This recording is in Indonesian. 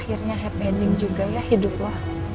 akhirnya happy ending juga ya hidup lo